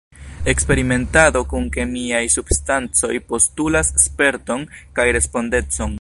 Eksperimentado kun kemiaj substancoj postulas sperton kaj respondecon.